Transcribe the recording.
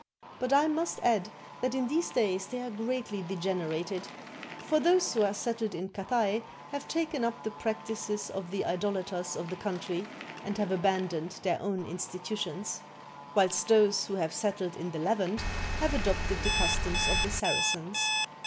But I must add that in these days they are greatly degenerated ; for those who are settled in Cathay have taken up the practices of the idolaters of the country, and have aban doned their own institutions; whilst those who have settled in the Levant have adopted the customs of the Saracens.